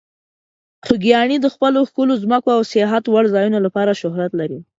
خوږیاڼي د خپلو ښکلو ځمکو او سیاحت وړ ځایونو لپاره شهرت لري.